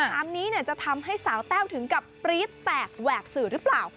ถามนี้จะทำให้สาวแต้วถึงกับปรี๊ดแตกแหวกสื่อหรือเปล่า